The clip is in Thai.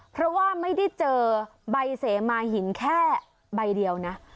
เพราะว่าไม่ได้เจอใบเสมาหินแค่ใบเดียวนะ